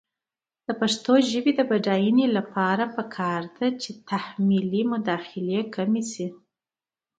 د پښتو ژبې د بډاینې لپاره پکار ده چې تحمیلي مداخلې کمې شي.